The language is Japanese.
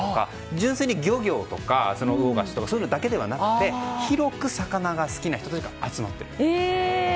純粋に漁業や魚河岸ではなくてそういうのだけではなくて広く魚が好きな人たちが集まっている。